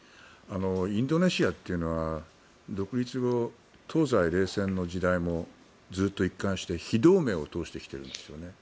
インドネシアっていうのは独立後東西冷戦の時代もずっと一貫して非同盟を通してきているんですね。